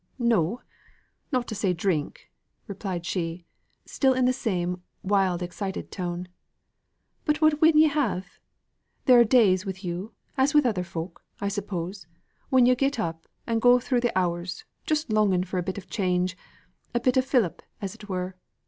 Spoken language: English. "No not to say drink," replied she, still in the same wild excited tone. "But what win ye have? There are days wi' you as wi' other folk, I suppose, when yo' get up and go through th' hours, just longing for a bit of a change a bit of a fillip, as it were.